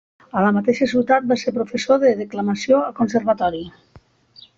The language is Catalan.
A la mateixa ciutat va ser professor de declamació al conservatori.